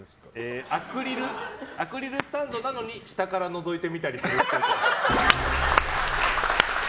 アクリルスタンドなのに下から覗いてみたりするっぽい。